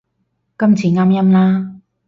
今次啱音啦